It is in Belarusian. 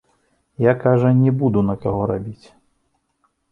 Я, кажа, не буду на каго рабіць.